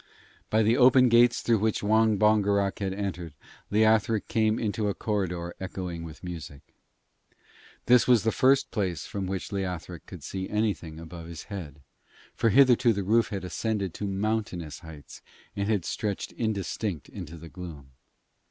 By the open gates through which Wong Bongerok had entered, Leothric came into a corridor echoing with music. This was the first place from which Leothric could see anything above his head, for hitherto the roof had ascended to mountainous heights and had stretched indistinct in the gloom.